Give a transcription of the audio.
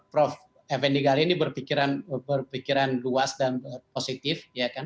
prof f m d ghazali ini berpikiran luas dan positif